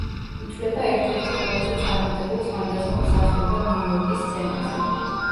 ითვლება ერთ-ერთი ყველაზე წარმატებულ ხანდაზმულ მსახიობად ნიუ-იორკის სცენაზე.